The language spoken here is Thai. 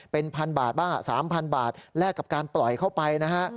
เป็นพันบาทบ้าง๓๐๐บาทแลกกับการปล่อยเข้าไปนะฮะ